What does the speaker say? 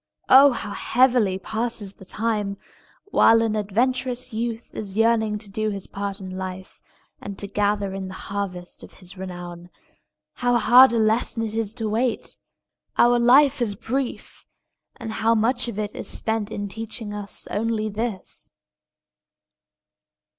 Oh, how heavily passes the time, while an adventurous youth is yearning to do his part in life, and to gather in the harvest of his renown! How hard a lesson it is to wait! Our life is brief, and how much of it is spent in teaching us only this!